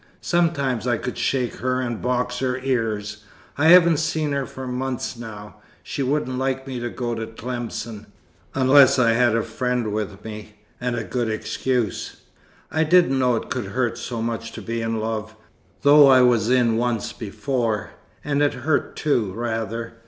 Sometimes I could shake her and box her ears. I haven't seen her for months now. She wouldn't like me to go to Tlemcen unless I had a friend with me, and a good excuse. I didn't know it could hurt so much to be in love, though I was in once before, and it hurt too, rather.